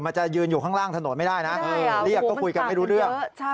จะยืนอยู่ข้างล่างถนนไม่ได้นะเรียกก็คุยกันไม่รู้เรื่อง